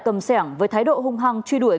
cầm sẻng với thái độ hung hăng truy đuổi